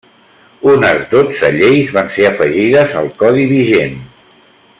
Unes dotze lleis van ser afegides al Codi vigent.